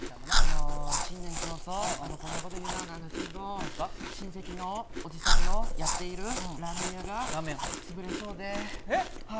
あの、新年早々こんなことを言うのもなんですけど親戚のおじさんがやっているラーメン屋が潰れそうで。